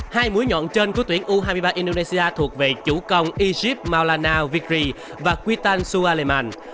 hai mũi nhọn trên của tuyển u hai mươi ba indonesia thuộc về chủ công egypt maulana vigri và kuitansu aleman